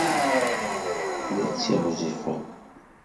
La ttiɣzifeɣ!